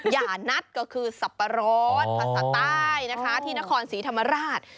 อย่านัดก็คือสับปะรดภาษาใต้นะคะที่นครศรีธรรมราช